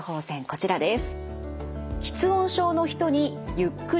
こちらです。